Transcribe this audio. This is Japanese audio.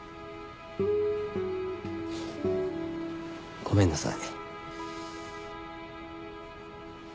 ごめんなさい。